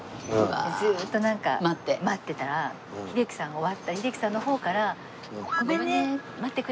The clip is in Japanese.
ずーっと待ってたら秀樹さん終わった秀樹さんの方から「ごめんね！待ってくれて。